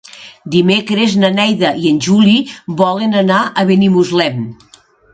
Dimecres na Neida i en Juli volen anar a Benimuslem.